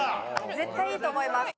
絶対いいと思います。